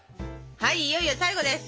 はいいよいよ最後です！